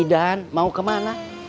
idan mau kemana